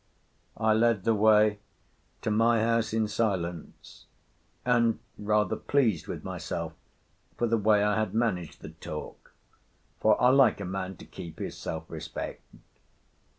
I led the way to my house in silence, and rather pleased with myself for the way I had managed the talk, for I like a man to keep his self respect.